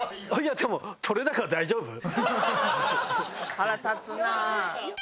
腹立つなあ。